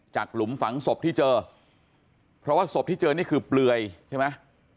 หลุมฝังศพที่เจอเพราะว่าศพที่เจอนี่คือเปลือยใช่ไหม